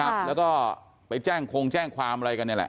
ครับแล้วก็ไปแจ้งคงแจ้งความอะไรกันเนี่ยแหละ